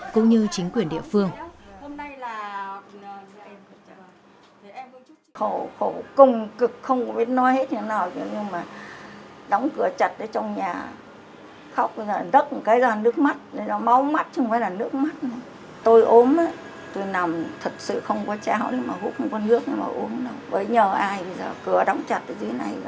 cũng như chính quyền địa phương